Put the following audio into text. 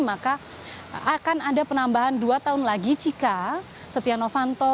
maka akan ada penambahan dua tahun lagi jika setia novanto